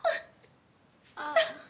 ああ。